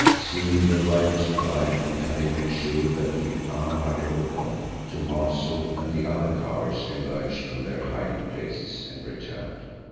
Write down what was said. Seeing the waggons arrive and having made sure that the Amahagger were gone, Thomaso and the other cowards emerged from their hiding places and returned.